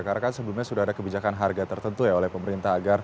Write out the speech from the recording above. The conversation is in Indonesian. karena kan sebelumnya sudah ada kebijakan harga tertentu oleh pemerintah